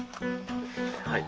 はい。